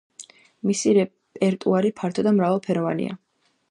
მისი რეპერტუარი ფართო და მრავალფეროვანია.